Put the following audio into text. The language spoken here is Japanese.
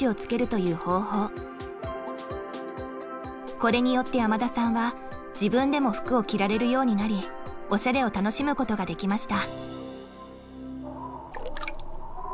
これによって山田さんは自分でも服を着られるようになりおしゃれを楽しむことができました。